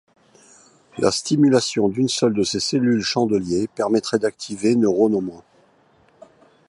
La stimulation d'une seule de ces cellules chandelier permettrait d'activer neurones au moins.